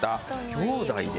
兄弟で？